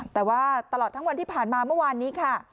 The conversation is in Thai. แต่ว่าตลอดทั้งวันที่ผ่านมาเมื่อวานนี้ค่ะ